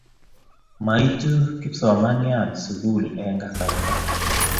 maitu kipsomanian sukul eng kasarta.